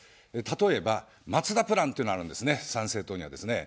例えば松田プランというのがあるんですね、参政党にはですね。